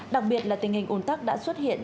đặc biệt là tình hình ồn tắc đã xuất hiện